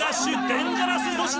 デンジャラス粗品！